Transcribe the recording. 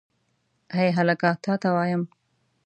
هې هلکه تا ته وایم.